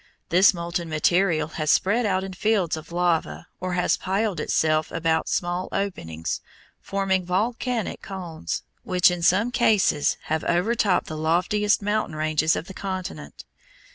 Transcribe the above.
This molten material has spread out in fields of lava or has piled itself about small openings, forming volcanic cones, which in some cases have overtopped the loftiest mountain ranges of the continent.